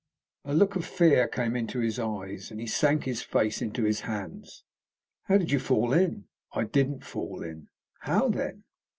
A look of fear came into his eyes, and he sank his face into his hands. "How did you fall in?" "I didn't fall in." "How, then?"